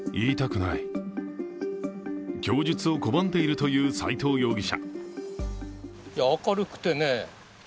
供述を拒んでいるという斎藤容疑者。